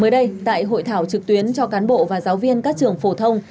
mới đây tại hội thảo trực tuyến cho cán bộ và giáo viên các trường phổ thông